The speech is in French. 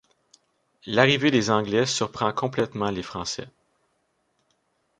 L'arrivée des Anglais surprend complètement les Français.